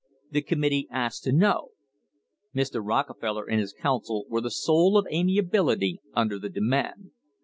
The committee asked to know. Mr. Rockefeller and his counsel were the soul of amiability under the demand.